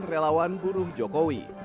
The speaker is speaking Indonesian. relawan buruh jokowi